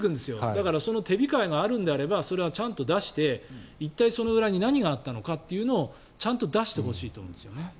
だから、その手控えがあるのであればちゃんとそれを出して一体何があったのかというのをちゃんと出してほしいと思いますね。